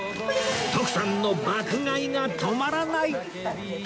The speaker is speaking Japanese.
徳さんの爆買いが止まらない！